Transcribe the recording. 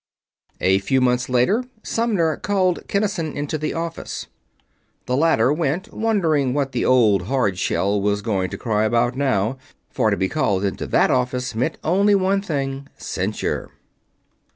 A few months later, Sumner called Kinnison into the office. The latter went, wondering what the old hard shell was going to cry about now; for to be called into that office meant only one thing censure.